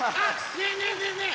ねえねえねえねえ